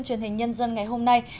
truyền hình nhân dân ngày hôm nay